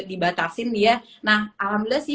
dibatasin ya nah alhamdulillah sih